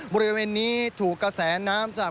บริเวณนี้ถูกกระแสน้ำจาก